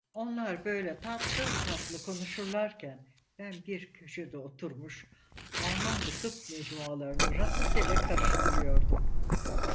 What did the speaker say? Onlar böyle tatlı tatlı konuşurlarken ben bir köşede oturmuş, Almanca tıp mecmualarını rastgele karıştırıyordum.